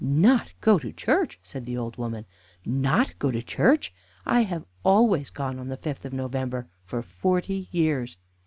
"Not go to church!" said the old woman "not go to church! I have always gone on the fifth of November for forty years.